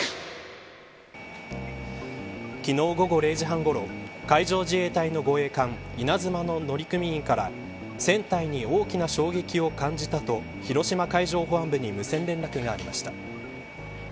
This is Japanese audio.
昨日、午後０時半ごろ海上自衛隊の護衛艦いなづまの乗組員から船体に大きな衝撃を感じたと広島海上保安部に無線連絡がありました。